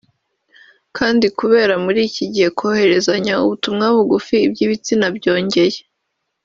Kandi kubera ko muri iki gihe kohererezanya ubutumwa buvuga iby’ibitsina byogeye